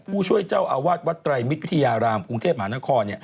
ผู้ช่วยเจ้าอาวาสวัดไตรมิตรวิทยารามกรุงเทพมหานคร